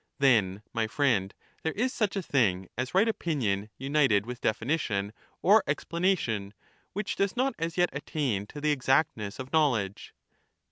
Then, my friend, there is such a thing as right opinion united with definition or explanation, which does not as yet attain to the exactness of knowledge.